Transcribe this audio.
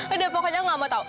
udah pokoknya gak mau tau